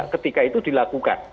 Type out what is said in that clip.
ketika itu dilakukan